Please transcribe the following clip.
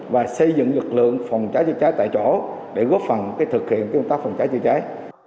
và xây dựng lực lượng phòng cháy chữa cháy tại chỗ để góp phần thực hiện công tác phòng cháy chữa cháy